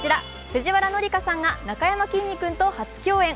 藤原紀香さんがなかやまきんに君と初共演。